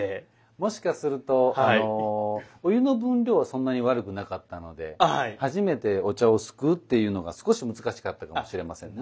もしかするとお湯の分量はそんなに悪くなかったので初めてお茶をすくうっていうのが少し難しかったかもしれませんね。